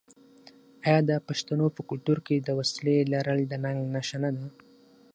آیا د پښتنو په کلتور کې د وسلې لرل د ننګ نښه نه ده؟